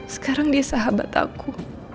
sekarang dia sahabat aku